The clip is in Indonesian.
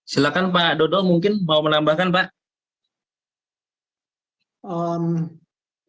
silakan pak dodo mungkin mau menambahkan pak